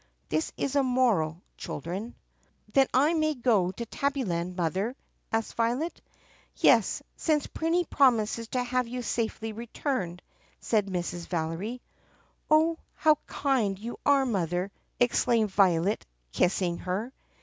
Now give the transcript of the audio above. (This is a moral, Children.) "Then I may go to Tabbyland, Mother*?" asked Violet. "Yes, since Prinny promises to have you safely returned," said Mrs. Valery. "Oh, how kind you are, mother!" exclaimed Violet kissing her.